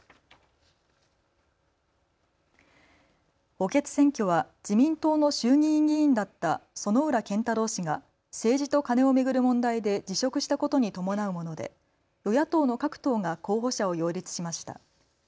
補欠選挙は自民党の衆議院議員だった薗浦健太郎氏が政治とカネを巡る問題で辞職したことに伴うもので与野党の各党が候補者を擁立しました。